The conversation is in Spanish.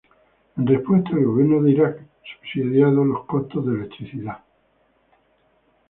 En respuesta, el gobierno de Irak subsidiado los costos de electricidad.